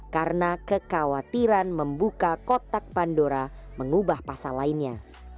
karena kekhawatiran membuka kotak pandora mengubah pasal lainnya